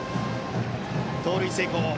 盗塁成功。